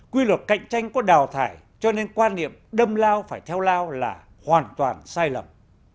quy luật cạnh tranh có đào thải cho nên quan niệm đâm lao phải theo lao là hoàn toàn sai lầm